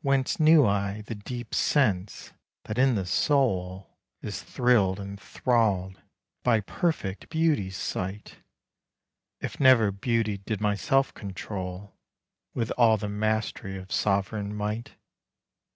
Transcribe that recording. Whence knew I the deep sense that in the soul Is thrill'd and thrall'd by perfect beauty's sight, If never beauty did myself control With all the mastery of sovran might?